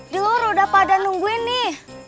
dulu udah pada nungguin nih